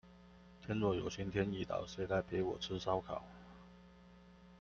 天若有情天亦老，誰來陪我吃燒烤